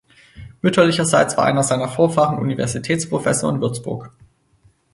Mütterlicherseits war einer seiner Vorfahren Universitätsprofessor in Würzburg.